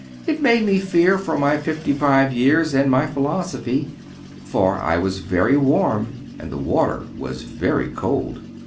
" It made me fear for my fifty five years and my philosophy ; for I was very warm, and the water was very cold.